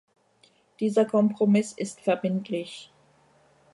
Dieser Kompromiss ist verbindlich.